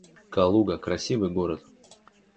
Калуга — красивый город